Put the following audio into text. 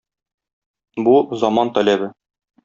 Бу - заман таләбе.